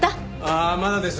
ああまだです。